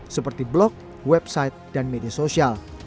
seperti blog website dan media sosial